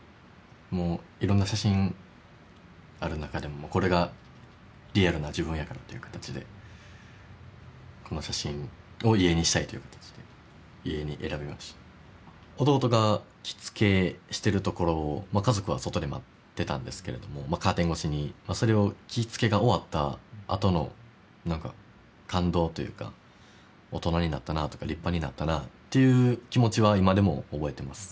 もう色んな写真ある中でもこれがリアルな自分やからっていう形でこの写真を遺影にしたいっていう形で遺影に選びました弟が着付けしてるところを家族は外で待ってたんですけれどもカーテン越しにそれを着付けが終わったあとの何か感動というか大人になったなとか立派になったなっていう気持ちは今でも覚えてます